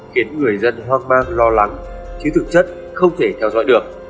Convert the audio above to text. khiến người dân hoang mang lo lắng chứ thực chất không thể theo dõi được